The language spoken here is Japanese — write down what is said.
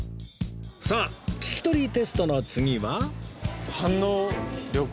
さあ聞き取りテストの次は